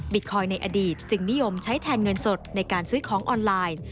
คอยในอดีตจึงนิยมใช้แทนเงินสดในการซื้อของออนไลน์